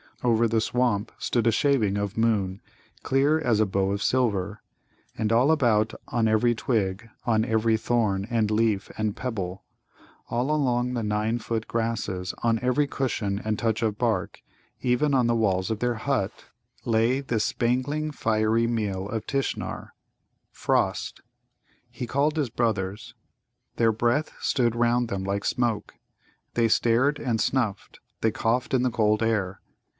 Over the swamp stood a shaving of moon, clear as a bow of silver. And all about, on every twig, on every thorn, and leaf, and pebble; all along the nine foot grasses, on every cushion and touch of bark, even on the walls of their hut, lay this spangling fiery meal of Tishnar frost. He called his brothers. Their breath stood round them like smoke. They stared and snuffed, they coughed in the cold air.